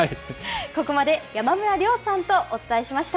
ここまで、山村亮さんとお伝えしました。